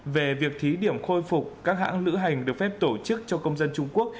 về việc thí điểm khôi phục các hãng lữ hành được phép tổ chức cho công dân trung quốc